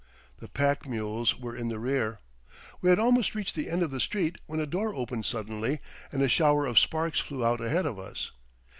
The pack mules were in the rear. We had almost reached the end of the street when a door opened suddenly and a shower of sparks flew out ahead of us.